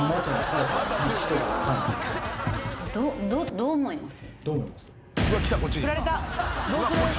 どう思います？